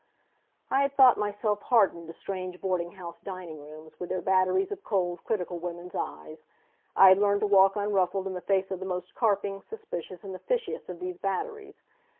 I had thought myself hardened to strange boarding house dining rooms, with their batteries of cold, critical women's eyes. I had learned to walk unruffled in the face of the most carping, suspicious and the fishiest of these batteries.